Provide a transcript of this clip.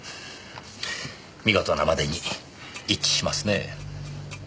見事なまでに一致しますねえ。